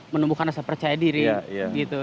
menumbuhkan rasa percaya diri gitu